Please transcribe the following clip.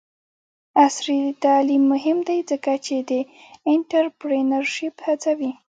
عصري تعلیم مهم دی ځکه چې د انټرپرینرشپ هڅوي.